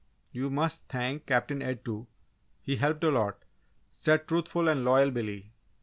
"You must thank Captain Ed, too he helped a lot!" said truthful and loyal Billy.